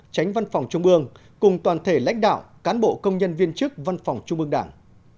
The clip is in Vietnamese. tránh văn phòng trung ương cùng toàn thể lãnh đạo cán bộ công nhân viên chức văn phòng trung ương đảng